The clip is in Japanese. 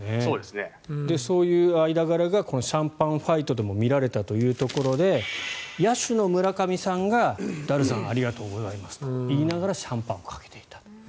そういう間柄がシャンパンファイトでも見られたというところで野手の村上さんがダルさんありがとうございますと言いながらシャンパンをかけていたと。